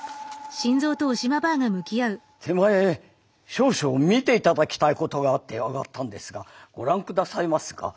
手前少々見て頂きたいことがあって上がったんですがご覧下さいますか。